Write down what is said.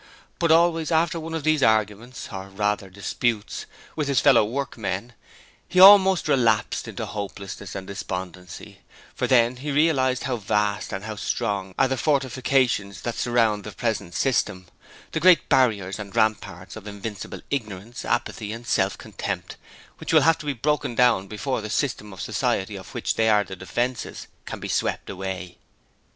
But always after one of these arguments or, rather, disputes with his fellow workmen, he almost relapsed into hopelessness and despondency, for then he realized how vast and how strong are the fortifications that surround the present system; the great barriers and ramparts of invincible ignorance, apathy and self contempt, which will have to be broken down before the system of society of which they are the defences, can be swept away.